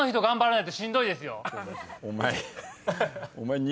お前。